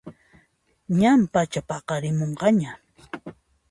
Ñan pachapaqarimunqaña